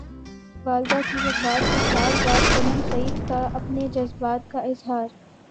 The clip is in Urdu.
والدہ کی وفات کے سال بعد صنم سعید کا اپنے جذبات کا اظہار